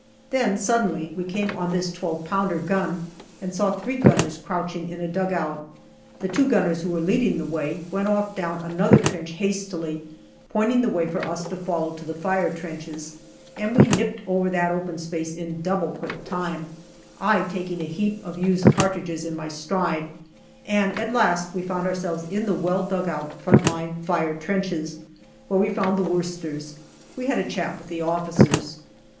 Then, suddenly, we came on this 12 pounder gun and saw three gunners crouching in a dugout. The two gunners who were leading the way went off down another trench hastily, pointing the way for us to follow to the fire trenches, and we nipped over that open space JUNE 145 in double quick time, I taking a heap of used cartridges in my stride, and at last we found ourselves in the well dug out front line fire trenches, where we found the Wor cesters. We had a chat with the officers.